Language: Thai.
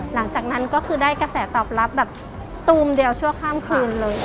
หลังจากนั้นก็คือได้กระแสตอบรับแบบตูมเดียวชั่วข้ามคืนเลย